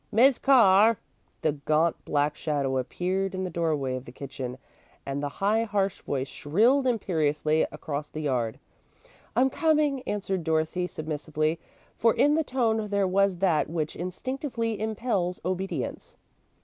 "Miss Carr!" The gaunt black shadow appeared in the doorway of the kitchen and the high, harsh voice shrilled imperiously across the yard. "I'm coming," answered Dorothy, submissively, for in the tone there was that which instinctively impels obedience.